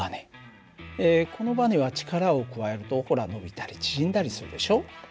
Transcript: このばねは力を加えるとほら伸びたり縮んだりするでしょ。